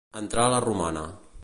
Entrar la romana.